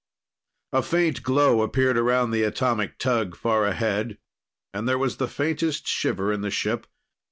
A faint glow appeared around the atomic tug far ahead, and there was the faintest shiver in the ship.